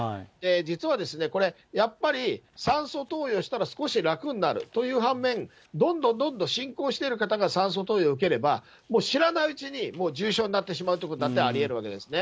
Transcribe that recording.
実はですね、これ、やっぱり酸素投与したら、少し楽になるという半面、どんどんどんどん進行してる方が酸素投与受ければ、知らないうちにもう重症になってしまうということだってありえるわけですね。